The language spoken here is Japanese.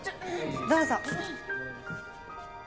どうぞ。